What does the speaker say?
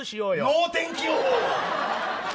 能天気予報。